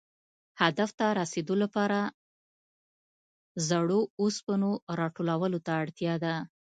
هدف ته رسېدو لپاره زړو اوسپنو را ټولولو ته اړتیا وه.